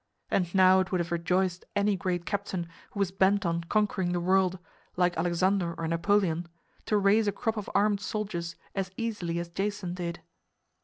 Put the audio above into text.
And now it would have rejoiced any great captain who was bent on conquering the world, like Alexander or Napoleon, to raise a crop of armed soldiers as easily as Jason did!